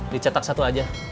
dicetak satu aja